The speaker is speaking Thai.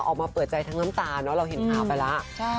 ออกมาเปิดใจทั้งน้ำตาเนอะเราเห็นข่าวไปแล้ว